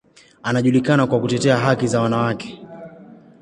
Anajulikana kwa kutetea haki za wanawake.